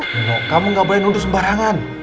nino kamu gak boleh nuduh sembarangan